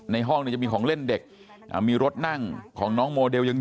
ห้องเนี่ยจะมีของเล่นเด็กมีรถนั่งของน้องโมเดลยัง